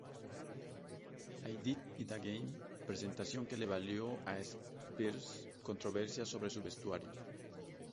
I Did It Again", presentación que le valió a Spears controversia sobre su vestuario.